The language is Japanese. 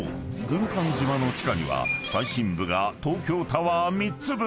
軍艦島の地下には最深部が東京タワー３つ分］